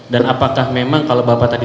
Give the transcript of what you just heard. dan apakah memang kalau bapak tadi